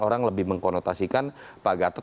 orang lebih mengkonotasikan pak gatot